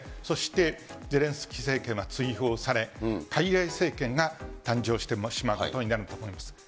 そしてゼレンスキー政権は追放され、かいらい政権が誕生してしまうことになると思います。